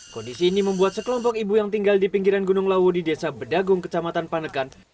kondisi ini membuat sekelompok ibu yang tinggal di pinggiran gunung lawu di desa bedagung kecamatan panekan